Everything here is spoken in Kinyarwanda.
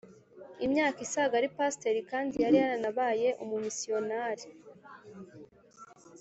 Imyaka isaga ari pasiteri kandi yari yaranabaye umumisiyonari